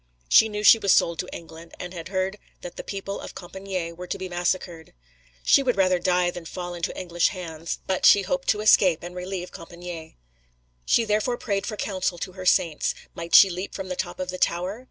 She knew she was sold to England, she had heard that the people of Compičgne were to be massacred. She would rather die than fall into English hands, but she hoped to escape and relieve Compičgne. She therefore prayed for counsel to her Saints; might she leap from the top of the tower?